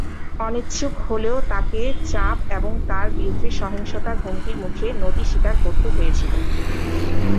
অনিচ্ছুক হলেও, তাকে চাপ এবং তার বিরুদ্ধে সহিংসতার হুমকির মুখে নতি স্বীকার করতে হয়েছিল।